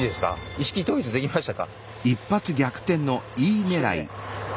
意識統一できましたか？